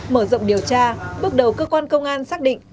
mở rộng điều tra bước đầu cơ quan công an xác định